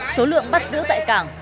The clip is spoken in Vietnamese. số lượng bắt giữ tại cảng